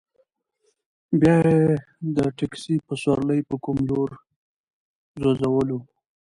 بیا یې د تکسي په سورلۍ په کوم لوري ځوځولو.